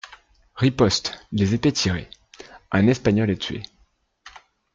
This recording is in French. Riposte, les épées tirées ; un Espagnol est tué.